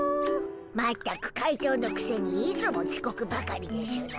全く会長のくせにいつもちこくばかりでしゅな。